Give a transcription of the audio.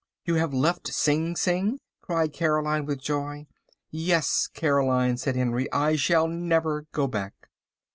"You have left Sing Sing?" cried Caroline with joy. "Yes, Caroline," said Henry. "I shall never go back."